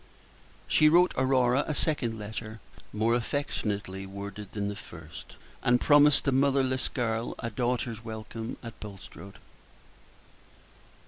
She wrote Aurora a second letter, more affectionately worded than the first, and promised the motherless girl a daughter's welcome at Bulstrode.